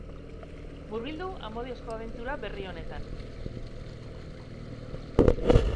Murgildu amodiozko abentura berri honetan!